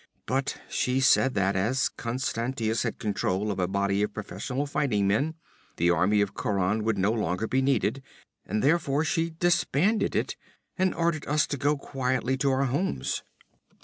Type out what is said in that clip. But she said that, as Constantius had control of a body of professional fighting men, the army of Khauran would no longer be needed, and therefore she disbanded it, and ordered us to go quietly to our homes.